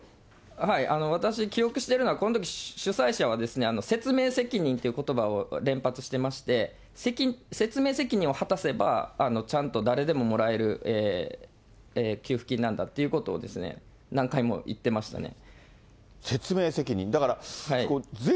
私、記憶しているのはこのとき主催者は、説明責任ということばを連発してまして、説明責任を果たせば、ちゃんと誰でももらえる給付金なんだということを、何回も言ってましたね。